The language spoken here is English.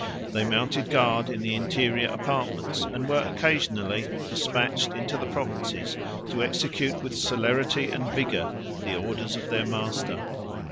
They mounted guard in the interior apartments, and were occasionally despatched into the provinces, to execute with celerity and vigor the orders of their master.